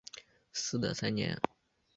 嗣德三年。